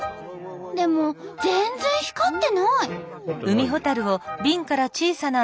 でも全然光ってない！